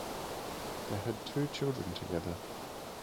They had two children together.